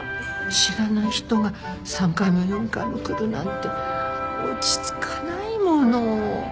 知らない人が３回も４回も来るなんて落ち着かないもの。